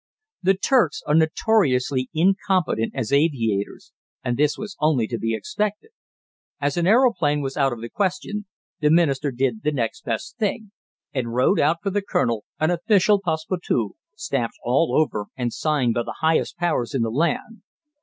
The Turks are notoriously incompetent as aviators, and this was only to be expected. As an aeroplane was out of the question, the Minister did the next best thing and wrote out for the colonel an official "passe partout," stamped all over and signed by the highest powers in the land.